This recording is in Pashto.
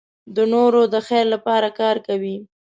د نورو د خیر لپاره کار کوي.